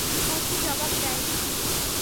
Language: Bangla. মতি জবাব দেয় না।